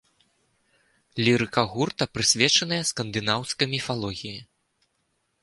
Лірыка гурта прысвечаная скандынаўскай міфалогіі.